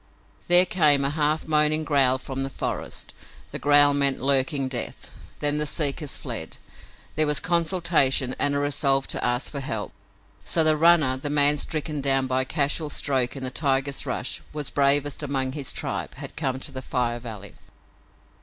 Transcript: There came a half moaning growl from the forest. That growl meant lurking death. Then the seekers fled. There was consultation and a resolve to ask for help. So the runner, the man stricken down by a casual stroke in the tiger's rush, but bravest among his tribe, had come to the Fire Valley.